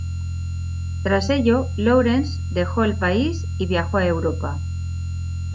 Tras ello, Lawrence dejó el país y viajó a Europa.